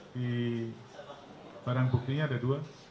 di barang buktinya ada dua